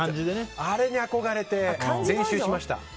あれに憧れて、練習しました。